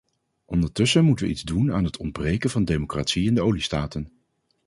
Ondertussen moeten we iets doen aan het ontbreken van democratie in de oliestaten.